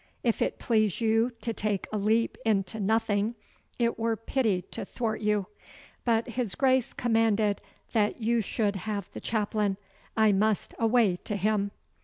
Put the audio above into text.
If it please you to take a leap into nothing it were pity to thwart you. But his Grace commanded that you should have the chaplain. I must away to him.